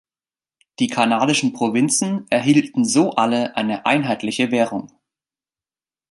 Die kanadischen Provinzen erhielten so alle eine einheitliche Währung.